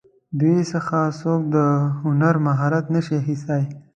دوی څخه څوک د هنر مهارت نشي اخیستلی.